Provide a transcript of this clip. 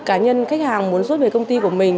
cá nhân khách hàng muốn rút về công ty của mình